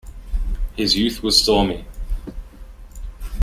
His youth was stormy.